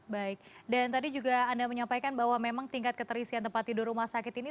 baik dan tadi juga anda menyampaikan bahwa memang tingkat keterisian tempat tidur rumah sakit ini